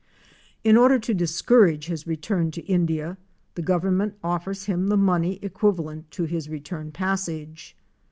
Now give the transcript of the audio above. In order to discourage his return to India, the government offers him the money equivalent to his return passage.